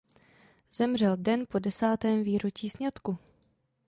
Zemřel den po desátém výročí sňatku.